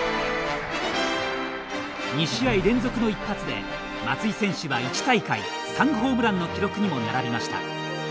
２試合連続の一発で松井選手は１大会３ホームランの記録にも並びました。